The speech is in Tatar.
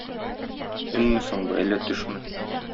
Өнме соң бу, әллә төшме?